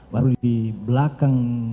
baru di belakang tempat